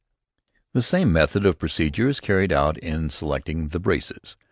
The same method of procedure is carried out in selecting the braces.